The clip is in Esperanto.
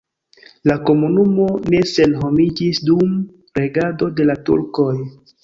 La komunumo ne senhomiĝis dum regado de la turkoj.